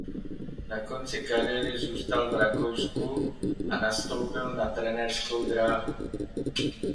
Po konci kariéry zůstal v Rakousku a nastoupil na trenérskou dráhu.